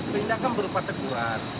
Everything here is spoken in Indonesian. perindahkan berupa teguran